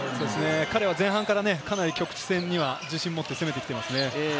彼は前半からかなり局地戦には自信を持って攻めてきていますね。